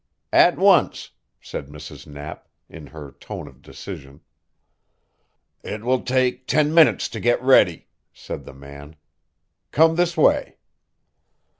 "At once," said Mrs. Knapp, in her tone of decision. "It will take ten minutes to get ready," said the man. "Come this way."